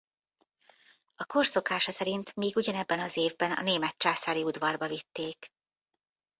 A kor szokása szerint még ugyanebben az évben a német császári udvarba vitték.